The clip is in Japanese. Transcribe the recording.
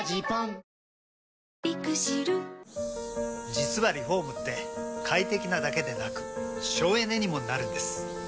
実はリフォームって快適なだけでなく省エネにもなるんです。